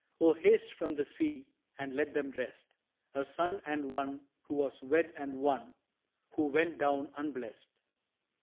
Oh, haste from the sea, And let them rest A son and one who was wed and one Who went down unblest.